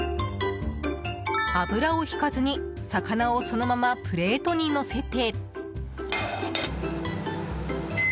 油をひかずに魚をそのままプレートにのせて。